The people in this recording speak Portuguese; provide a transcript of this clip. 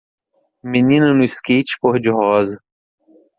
Menina no skate cor de rosa.